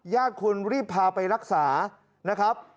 ญาติคุณรีบพาไปรักษานะครับ